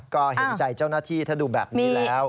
ก็เห็นใจเจ้าหน้าที่ถ้าดูแบบนี้แล้ว